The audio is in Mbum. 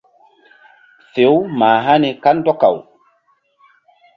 Fe-u mah hani kandɔkaw.